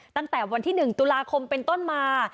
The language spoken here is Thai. ตั้งแต่วันที่๑ตุลาคมเป็นต้นมา